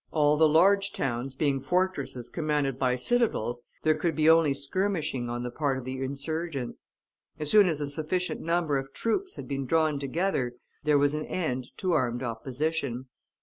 All the large towns being fortresses commanded by citadels, there could be only skirmishing on the part of the insurgents. As soon as a sufficient number of troops had been drawn together, there was an end to armed opposition.